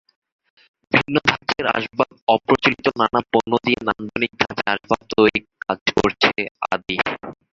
ভিন্ন ধাঁচের আসবাবঅপ্রচলিত নানা পণ্য দিয়ে নান্দনিক ধাঁচে আসবাব তৈরির কাজ করছে আদি।